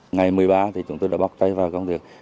ngày một mươi ba chúng tôi đã bóc tay vào công việc